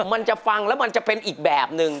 มันจะฟังแล้วมันจะเป็นอีกแบบนึง